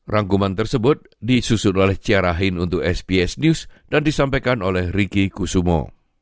rangkuman tersebut disusun oleh ciara hin untuk sbs news dan disampaikan oleh riki kusumo